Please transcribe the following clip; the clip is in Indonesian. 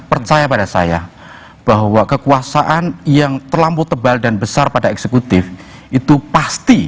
percaya pada saya bahwa kekuasaan yang terlampau tebal dan besar pada eksekutif itu pasti